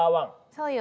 そうよ。